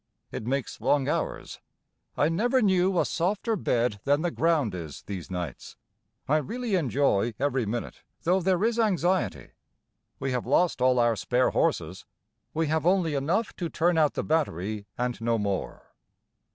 It makes long hours. I never knew a softer bed than the ground is these nights. I really enjoy every minute though there is anxiety. We have lost all our spare horses. We have only enough to turn out the battery and no more.